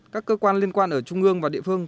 các cơ quan liên quan ở trung ương và địa phương